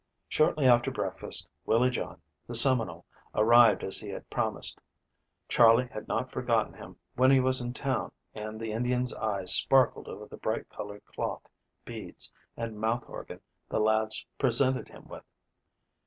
Shortly after breakfast, Willie John, the Seminole, arrived as he had promised. Charley had not forgotten him when he was in town and the Indian's eyes sparkled over the bright colored cloth, beads, and mouth organ the lads presented him with.